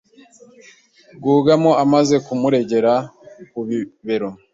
Rwugamo amaze kumugera ku bibero